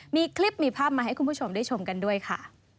มีคลิปมีภาพมาให้คุณผู้ชมได้ชมกันด้วยค่ะ